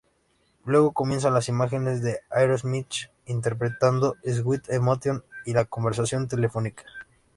Luego comienzan las imágenes de Aerosmith interpretando "Sweet Emotion" y la conversación telefónica.